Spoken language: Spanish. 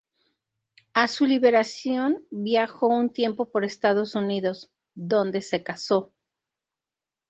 A su liberación viajó un tiempo por Estados Unidos, donde se casó.